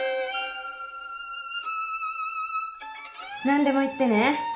何でも言ってね。